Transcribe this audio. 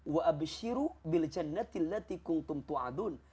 wa abishiru biljannati latiquntum tu'adun